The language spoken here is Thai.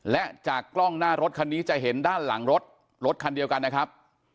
และจากกล้องหน้ารถคันนี้จะเห็นด้านหลังรถรถคันเดียวกันนะครับ